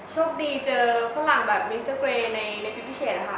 โชคดีเจอฝรั่งแบบมิสเตอร์เรย์ในเล็กเป็นพิเศษค่ะ